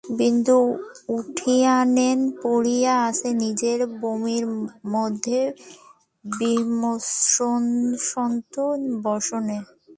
বিন্দু উঠানেই পড়িয়া আছে, নিজের বমির মধ্যে, বিস্রস্ত বসনে।